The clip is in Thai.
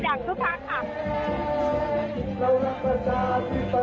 ห้ามถูกผลไฟต้องเข้าออกค่ะ